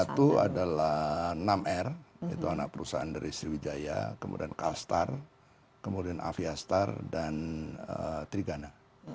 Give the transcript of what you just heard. satu adalah enam r itu anak perusahaan dari sriwijaya kemudian calstar kemudian aviastar dan trigana